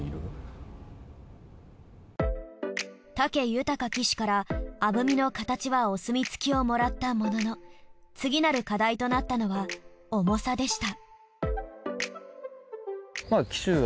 武豊騎手からアブミの形はお墨付きをもらったものの次なる課題となったのは重さでした。